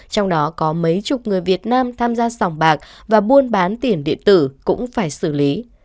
trong đó có mấy chục người việt nam tham gia sòng bạc và buôn bán tiền điện tử cũng phải xử lý